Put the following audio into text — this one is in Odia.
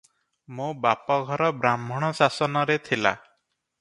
ମୋ ବାପଘର ବ୍ରାହ୍ମଣ ଶାସନରେ ଥିଲା ।